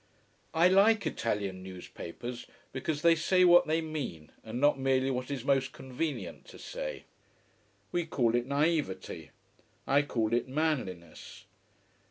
I like Italian newspapers because they say what they mean, and not merely what is most convenient to say. We call it naïveté I call it manliness.